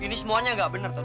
ton ini semuanya gak bener ton